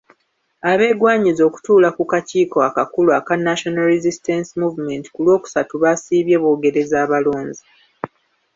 Abeegwanyiza okutuula ku kakiiko akakulu aka National Resistance Movement ku Lwokusatu basiibye boogereza balonzi.